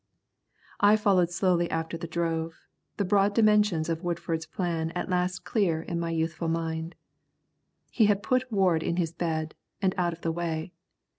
I followed slowly after the drove, the broad dimensions of Woodford's plan at last clear in my youthful mind. He had put Ward in his bed, and out of the way.